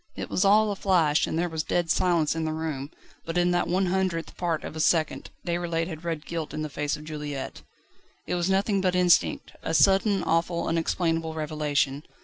It was all a flash, and there was dead silence in the room, but in that one hundredth part of a second, Déroulède had read guilt in the face of Juliette. It was nothing but instinct, a sudden, awful, unexplainable revelation.